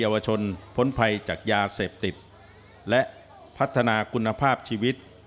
ที่เยาวชนพ้นภัยจากยาเศรษฐิบและพัฒนากุณภาพชีวิต